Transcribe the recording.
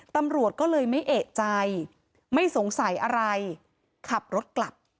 ตำรวจก็เลยไม่เอกใจไม่สงสัยอะไรขับรถกลับ